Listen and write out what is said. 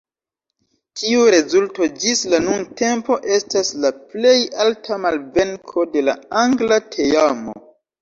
Tiu rezulto ĝis la nuntempo estas la plej alta malvenko de la angla teamo.